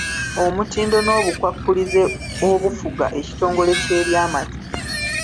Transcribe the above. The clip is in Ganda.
Omutindo n’obukwakkulizo obufuga ekitongole ky’eby’amata.